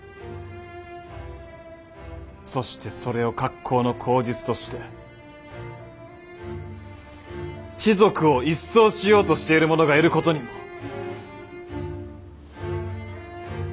そしてそれを格好の口実として士族を一掃しようとしている者がいることにも。